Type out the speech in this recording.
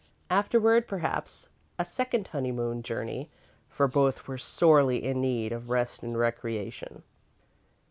Afterward, perhaps, a second honeymoon journey, for both were sorely in need of rest and recreation.